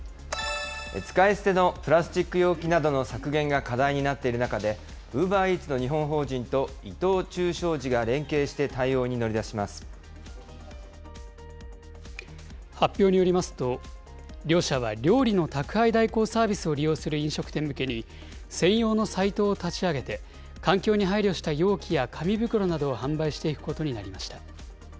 使い捨てのプラスチック容器などの削減が課題になっている中で、ウーバーイーツの日本法人と、伊藤忠商事が連携して対応に乗り出発表によりますと、両社は料理の宅配代行サービスを利用する飲食店向けに、専用のサイトを立ち上げて、環境に配慮した容器や紙袋などを販売していくことになりました。